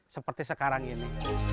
seperti sekarang ini